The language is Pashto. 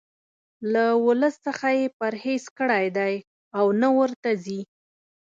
له ولس څخه یې پرهیز کړی دی او نه ورته ځي.